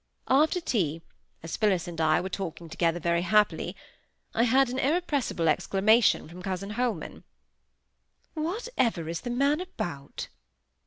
After tea, as Phillis and I were talking together very happily, I heard an irrepressible exclamation from cousin Holman,— "Whatever is the man about!"